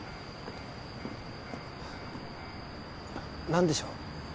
何でしょう？